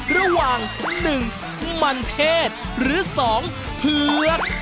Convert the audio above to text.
ระหว่าง๑มันเทศหรือ๒เผือก